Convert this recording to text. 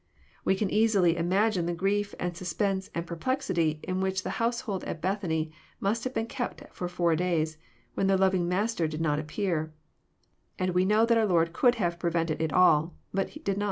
We can easily imagine the grief and sus pense and perplexity in which the household at Bethany must have been kept for four days, when their loving Master did not appear; and we know that our Lord co uld hav e prevented it all, but did not.